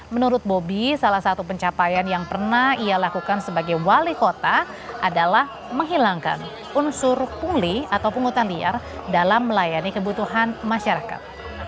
menurut bobi salah satu pencapaian yang pernah ia lakukan sebagai wali kota adalah menghilangkan unsur pungli atau pungutan liar dalam melayani kebutuhan masyarakat